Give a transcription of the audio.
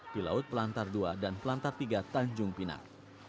di laut pelantar dua dan pelantar tiga tanjung pinang